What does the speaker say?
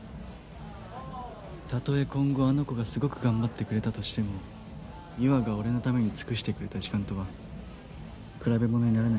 たとえ今後あの子がすごく頑張ってくれたとしても優愛が俺のために尽くしてくれた時間とは比べ物にならないよ。